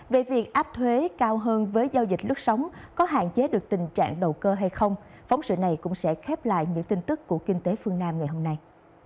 về việc áp thuế cao hơn với giao dịch lốt sống có hạn chế được tình trạng đầu cơ hay không phóng sự này cũng sẽ khép lại những tin tức của kinh tế phương nam ngày hôm nay